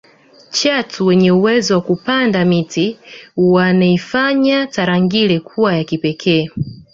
chatu wenye uwezo wa kupanda miti waneifanya tarangire kuwa ya kipekee